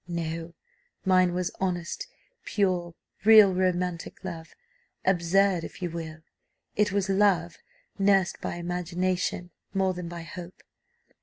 No; mine was honest, pure, real romantic love absurd if you will; it was love nursed by imagination more than by hope.